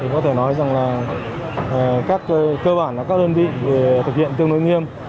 có thể nói rằng là các cơ bản là các đơn vị thực hiện tương đối nghiêm